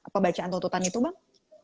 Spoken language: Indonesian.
pembacaan tuntutan itu bang